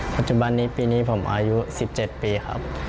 ปัจจุบันนี้ปีนี้ผมอายุ๑๗ปีครับ